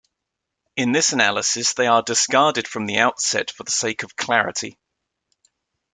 In this analysis, they are discarded from the outset for the sake of clarity.